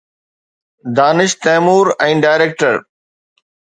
Danish Taimur ۽ director